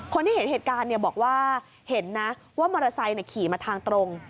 คนที่เห็นเหตุการณ์บอกว่าเห็นนะว่ามอเตอร์ไซค์ขี่มาทางตรง